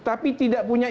tapi tidak punya iktp